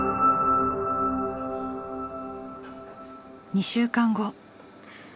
２週間後。